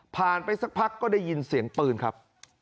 ไปสักพักก็ได้ยินเสียงปืนครับ